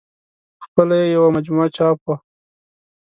په خپله یې یوه مجموعه چاپ وه.